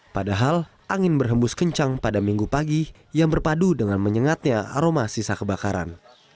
padahal angin berhembus kencang pada minggu pagi yang berpadu dengan menyengatnya aroma sisa kebakaran